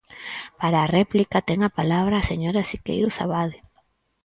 Para a réplica ten a palabra a señora Siqueiros Abade.